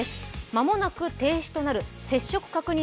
間もなく停止となる接触確認